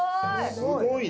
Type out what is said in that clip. すごいね。